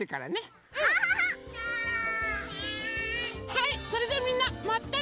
はいそれじゃあみんなまたね！